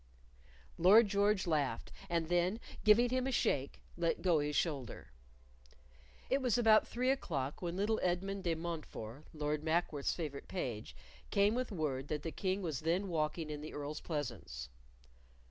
Lord George laughed; and then giving him a shake, let go his shoulder. It was about three o'clock when little Edmond de Montefort, Lord Mackworth's favorite page, came with word that the King was then walking in the Earl's pleasance.